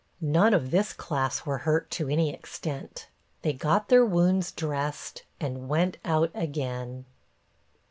None of this class were hurt to any extent. They got their wounds dressed and went out again.